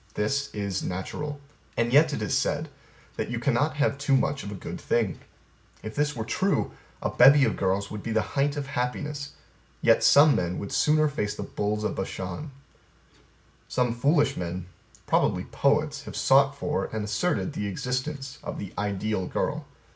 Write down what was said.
This is natural. And yet is said that you cannot have too much of a good thing. If this were true, a bevy of girls would be the height of happiness. Yet some men would sooner face the bulls of Bashan. Some foolish men probably poets have sought for and asserted the existence of the ideal girl.